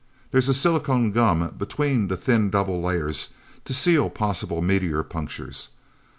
There's a silicone gum between the thin double layers, to seal possible meteor punctures.